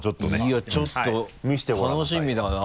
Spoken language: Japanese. いやちょっと楽しみだな。